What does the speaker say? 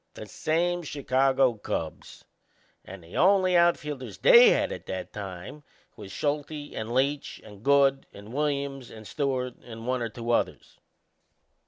The same Chicago Cubs; and the only outfielders they had at that time was Schulte and Leach and Good and Williams and Stewart, and one or two others.